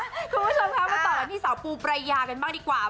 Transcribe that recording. คุณผู้ชมคะมาต่อกันที่สาวปูปรายากันบ้างดีกว่า